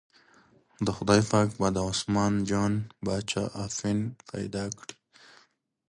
خدای پاک به د عثمان جان باچا اپین پیدا کړي.